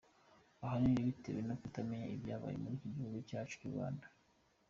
Ahanini bitewe no kutamenya ibyabaye muri iki gihugu cyacu cy’u Rwanda.